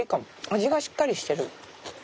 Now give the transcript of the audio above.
味がしっかりしてる。